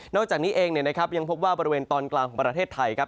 อกจากนี้เองยังพบว่าบริเวณตอนกลางของประเทศไทยครับ